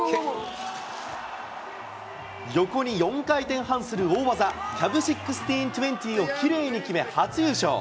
横に４回転半する大技、キャブ１６２０をきれいに決め、初優勝。